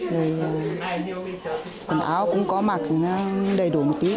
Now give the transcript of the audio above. rồi quần áo cũng có mặt thì nó đầy đủ một tí